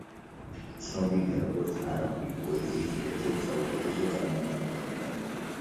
ცნობილია როგორც არაბული პოეზიის ერთ-ერთ საუკეთესო წარმომადგენლად.